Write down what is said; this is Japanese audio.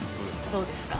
どうですか？